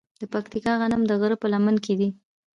د پکتیا غنم د غره په لمن کې دي.